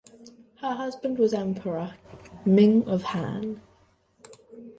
Her husband was Emperor Ming of Han.